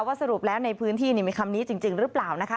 สรุปแล้วในพื้นที่มีคำนี้จริงหรือเปล่านะคะ